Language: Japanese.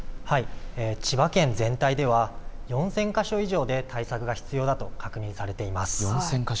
千葉県全体では４０００か所以上で対策が必要だと確認されています。